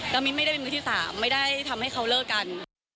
แล้วมิ้นไม่ได้เป็นมือที่๓ไม่ได้ทำให้เขาเลิกกัน